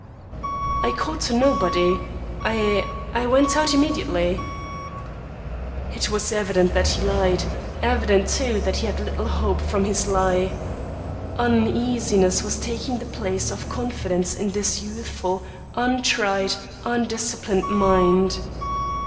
"I called to nobody. I I went out immediately." It was evident that he lied; evident, too, that he had little hope from his lie. Uneasiness was taking the place of confidence in his youthful, untried, undisciplined mind.